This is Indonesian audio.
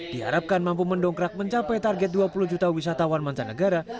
diharapkan mampu mendongkrak mencapai target dua puluh juta wisatawan mancanegara